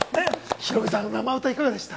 ヒロミさん、生歌いかがでした？